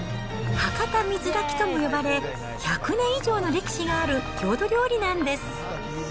博多水炊きとも呼ばれ、１００年以上の歴史がある郷土料理なんです。